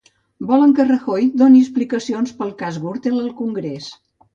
Volen que Rajoy doni explicacions pel cas Gürtel al congrés